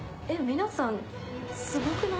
皆さん、すごくない？